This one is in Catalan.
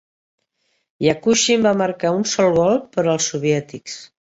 Yakushyn va marcar un sol gol per als soviètics.